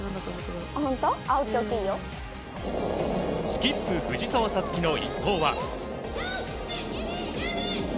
スキップ藤澤五月の一投は。